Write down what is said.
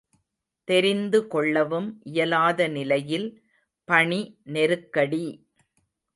தெரிந்து கொள்ளவும் இயலாத நிலையில் பணி நெருக்கடி!